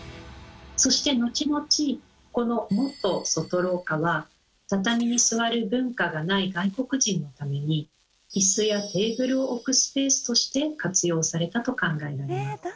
そして後々この元外廊下は畳に座る文化がない外国人のためにイスやテーブルを置くスペースとして活用されたと考えられます。